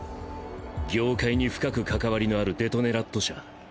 業界に深く関わりのあるデトネラット社。